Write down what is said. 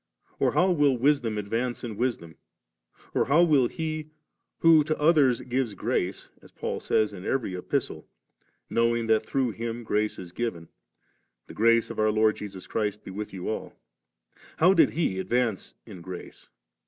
or how did Wisdom advance in wisdom ? or how did He who to others gives grace (as Paul says in every Epistle, knowing that through Him grace is given, * The grace of our Lord Jesus Christ be with you ill'), how did He advance in grace